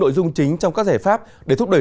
nội dung chính trong các giải pháp để thúc đẩy